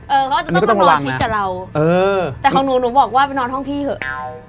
เขาก็จะต้องนอนชิดกับเราเออแต่ของหนูหนูบอกว่าไปนอนห้องพี่เถอะ